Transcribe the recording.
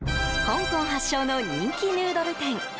香港発祥の人気ヌードル店。